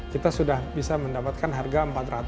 kita sudah bisa mendapatkan harga empat ratus empat puluh